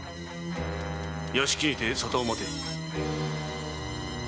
屋敷にて沙汰を待て。